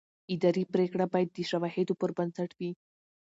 اداري پرېکړه باید د شواهدو پر بنسټ وي.